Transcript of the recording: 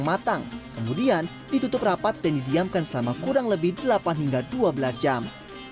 matang kemudian ditutup rapat dan didiamkan selama kurang lebih delapan hingga dua belas jam